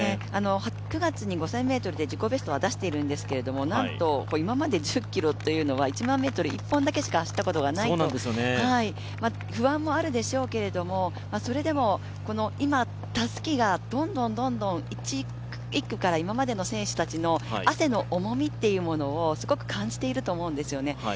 ９月に５０００ｍで自己ベストを出しているんですが、なんと今まで１０ｋｍというのは１００００ｍ１本しか走ったことがないと不安もあるでしょうけれども、それでも今、たすきがどんどん１区から今までの選手たちの汗の重みをすごく感じていると思うんですよね。